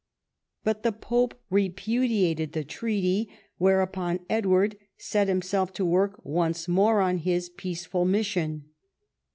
But the pope repudiated the treaty, whereupon Edward set himself to work once more on his peaceful mission.